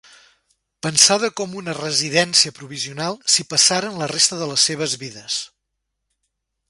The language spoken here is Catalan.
Pensada com una residència provisional s'hi passaren la resta de les seves vides.